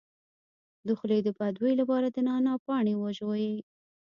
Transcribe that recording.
د خولې د بد بوی لپاره د نعناع پاڼې وژويئ